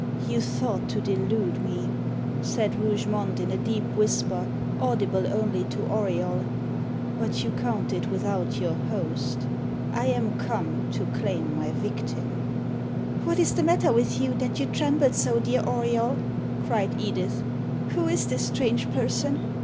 "You thought to delude me," said Rougemont, in a deep whisper, audible only to Auriol; "but you counted without your host. I am come to claim my victim." "What is the matter with you, that you tremble so, dear Auriol?" cried Edith. "Who is this strange person?"